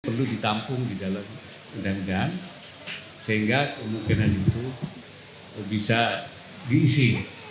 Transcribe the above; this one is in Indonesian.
perlu ditampung di dalam undang undang sehingga kemungkinan itu bisa diisi